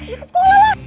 ya ke sekolah lah